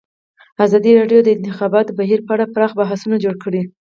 ازادي راډیو د د انتخاباتو بهیر په اړه پراخ بحثونه جوړ کړي.